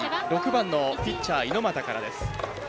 ６番のピッチャー・猪俣からです。